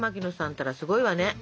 ったらすごいわね。